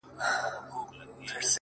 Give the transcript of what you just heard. او ستا پر قبر به-